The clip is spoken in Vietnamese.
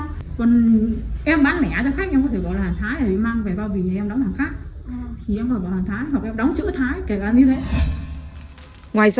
còn em bán lẻ cho khách em có thể bỏ là hàng thái hay mà